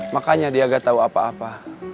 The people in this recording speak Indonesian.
makanya dia gak tahu apa apa